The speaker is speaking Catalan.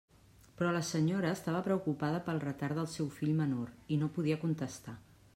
Però la senyora estava preocupada pel retard del seu fill menor i no podia contestar.